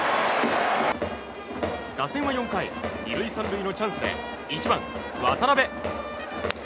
打線は４回２塁３塁のチャンスで１番、渡部。